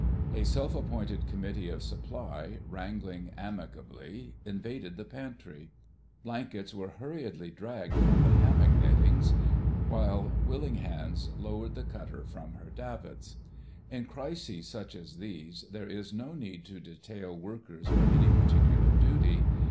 A self appointed Committee of Supply, wrangling amicably, invaded the pantry; blankets were hurriedly dragged from the hammock nettings, while willing hands lowered the cutter from her davits. In crises such as these there is no need to detail workers for any particular duty.